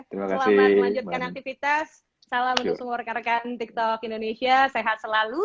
selamat melanjutkan aktivitas salam untuk semua rekan rekan tiktok indonesia sehat selalu